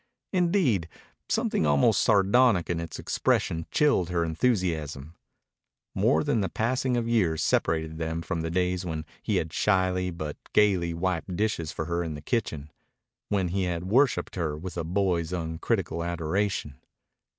Indeed, something almost sardonic in its expression chilled her enthusiasm. More than the passing of years separated them from the days when he had shyly but gayly wiped dishes for her in the kitchen, when he had worshiped her with a boy's uncritical adoration.